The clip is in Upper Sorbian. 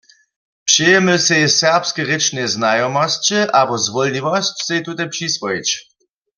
Přejemy sej serbske rěčne znajomosće abo zwólniwosć, sej tute přiswojić.